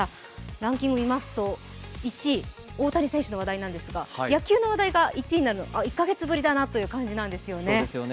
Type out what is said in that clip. ランキング見ますと１位、大谷選手の話題なんですが、野球の話題が１位になるの、１か月ぶりだなという感じなんですよね。